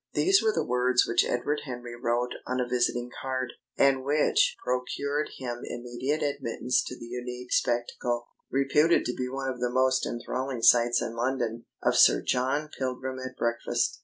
These were the words which Edward Henry wrote on a visiting card, and which procured him immediate admittance to the unique spectacle reputed to be one of the most enthralling sights in London of Sir John Pilgrim at breakfast.